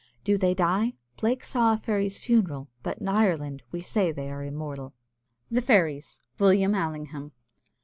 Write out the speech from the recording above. Do they die? Blake saw a fairy's funeral; but in Ireland we say they are immortal. THE FAIRIES. WILLIAM ALLINGHAM.